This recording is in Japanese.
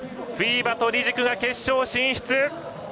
フィーバとリジクが決勝進出！